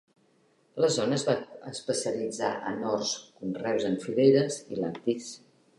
La zona es va especialitzar en horts, conreus en fileres i lactis.